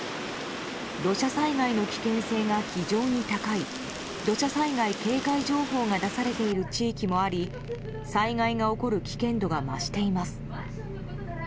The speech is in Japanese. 土砂災害の危険性が非常に高い土砂災害警戒情報が出されている地域もあり災害が起こる危険度が増しています。